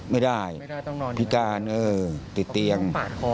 ไม่ได้พิการติดเตียง